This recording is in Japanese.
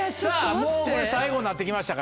もうこれ最後になって来ました。